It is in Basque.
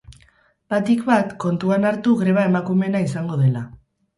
Batik bat, kontuan hartu greba emakumeena izango dela.